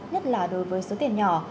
nhất là đối với số tiền nhỏ